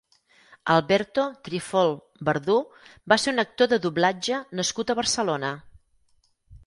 Alberto Trifol Verdú va ser un actor de doblatge nascut a Barcelona.